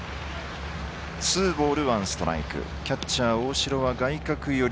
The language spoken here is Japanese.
ツーボール、ワンストライクキャッチャー大城は外角寄り